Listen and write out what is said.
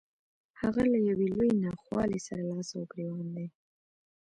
هغه له يوې لويې ناخوالې سره لاس او ګرېوان دی.